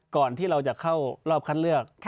ก่อนที่เราจะเข้ารอบคัดเลือก